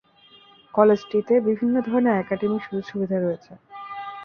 কলেজটিতে বিভিন্ন ধরনের একাডেমিক সুযোগ সুবিধা রয়েছে।